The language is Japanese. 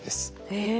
へえ。